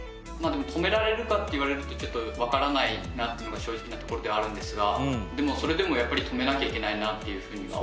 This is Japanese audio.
止められるかって言われるとちょっとわからないなっていうのが正直なところではあるんですがでもそれでもやっぱり止めなきゃいけないなっていうふうには。